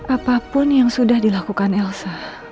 apapun yang sudah dilakukan elsa